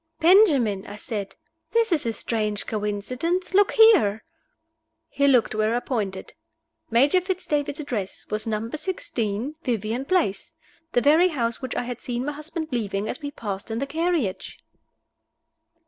"Benjamin!" I said. "This is a strange coincidence. Look here!" He looked where I pointed. Major Fitz David's address was Number Sixteen Vivian Place the very house which I had seen my husband leaving as we passed in the carriage!